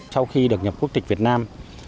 sau khi được nhập quốc tịch việt nam